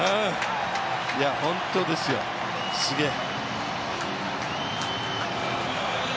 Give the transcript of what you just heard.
本当ですよ、すげぇ！